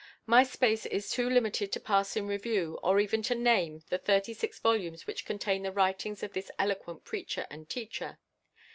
My space is too limited to pass in review, or even to name, the thirty six volumes which contain the writings of this eloquent preacher and teacher.